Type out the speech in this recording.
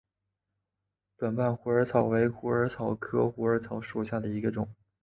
短瓣虎耳草为虎耳草科虎耳草属下的一个种。